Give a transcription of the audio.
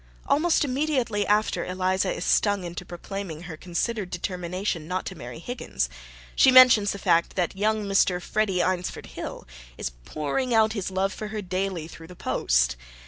Almost immediately after Eliza is stung into proclaiming her considered determination not to marry Higgins, she mentions the fact that young Mr. Frederick Eynsford Hill is pouring out his love for her daily through the post.